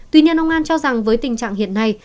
tuy nhiên ông an cho rằng với tình trạng hiện nay